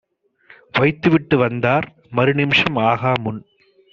வைத்துவிட்டு வந்தார் மறுநிமிஷம் ஆகாமுன்.